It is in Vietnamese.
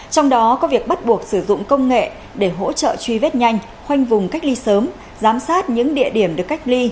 trong đó có việc bắt buộc sử dụng công nghệ để hỗ trợ truy vết nhanh khoanh vùng cách ly sớm giám sát những địa điểm được cách ly